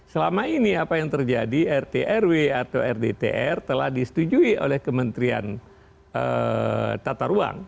selama ini apa yang terjadi rt rw atau rdtr telah disetujui oleh kementerian tata ruang